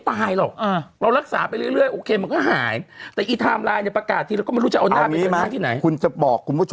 ตายหรอแล้วรักษาไปเรื่อยหายไอ้ไทม์ลายนั้นประกาศทีแล้วก็ไม่รู้จะอยู่แล้วมีมากอยู่ไหนคุณจะบอกคุณผู้